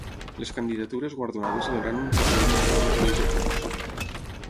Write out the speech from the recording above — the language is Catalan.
Les candidatures guardonades rebran un trofeu i un diploma acreditatius.